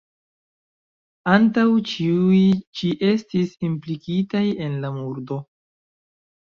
Ankaŭ tiuj ĉi estis implikitaj en la murdo.